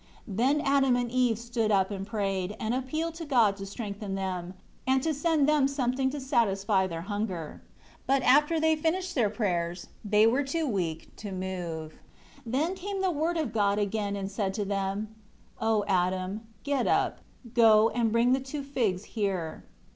16 Then Adam and Eve stood up and prayed, and appealed to God to strengthen them, and to send them something to satisfy their hunger. 17 But after they finished their prayers, they were too weak to move. 18 Then came the Word of God again, and said to them, "O Adam, get up, go and bring the two figs here."